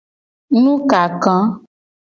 Nukaka.